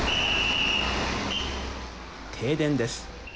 停電です。